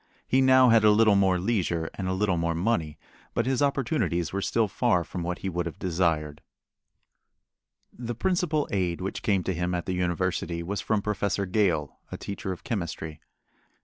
He now had a little more leisure and a little more money, but his opportunities were still far from what he would have desired. The principal aid which came to him at the university was from Professor Gale, a teacher of chemistry.